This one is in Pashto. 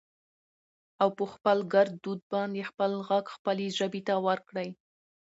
او په خپل ګردود باندې خپل غږ خپلې ژبې ته ورکړٸ